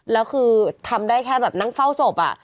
แล้วคือทำได้แค่แบบนั่งเฝ้าศพ